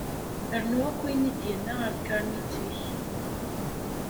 Rnu akk ayen i d-yenna ar tkaṛnit-ik.